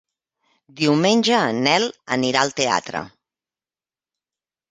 Diumenge en Nel anirà al teatre.